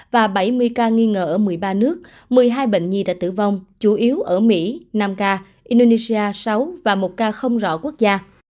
và bảy mươi ca nghi ngờ ở một mươi ba nước một mươi hai bệnh nhi đã tử vong chủ yếu ở mỹ nam ca indonesia sáu và một ca không rõ quốc gia